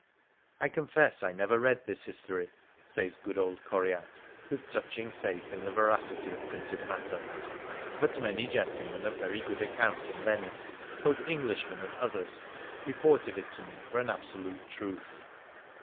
" I confess I never reade this historie,""* says good old Coryat, with touching faith in the veracity of printed matter, " but many gentlemen of very good account in Venice, both Englishmen and others, reported it to me for an absolute truth.